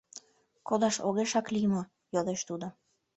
— Кодаш огешак лий мо? — йодеш тудо.